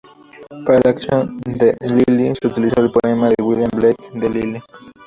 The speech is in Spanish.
Para la canción "The Lily", se utilizó el poema de William Blake, "The Lily".